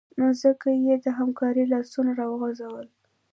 نو ځکه یې د همکارۍ لاسونه راوغځول